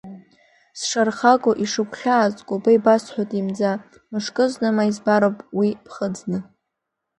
Сшархаго, ишыгәхьаазго, ба ибасҳәоит имӡа, мышкызны ма избароуп уи ԥхыӡны!